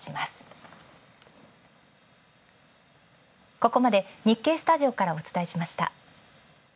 ここまで日経スタジオからお伝えしました。